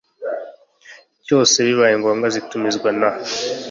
cyose bibaye ngombwa Zitumizwa na